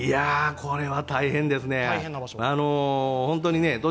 これは大変ですね。